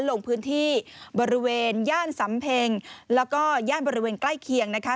ลงพื้นที่บริเวณย่านสำเพ็งแล้วก็ย่านบริเวณใกล้เคียงนะคะ